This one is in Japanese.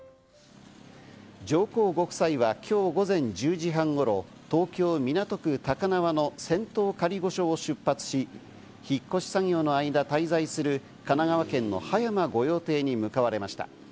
上皇ご夫妻は今日午前１０時半頃、東京・港区高輪の仙洞仮御所を出発し、引っ越し作業の間、滞在する神奈川県の葉山御用邸に向かわれました。